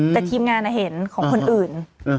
แต่ทีมงานเห็นของคนอื่น